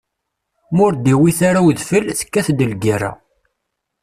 Ma ur d-iwwit ara udfel, tekkat-d lgerra.